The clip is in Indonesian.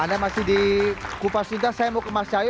anda masih di kupas cinta saya mau ke mas cahyo